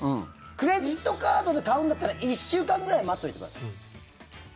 クレジットカードで買うんだったら１週間ぐらい待っておいてください。